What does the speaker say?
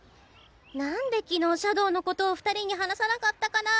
何で昨日シャドウのことを２人に話さなかったかな。